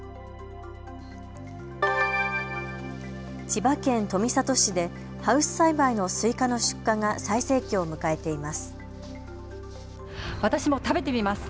千葉県富里市でハウス栽培のスイカの出荷が最盛期を迎えています。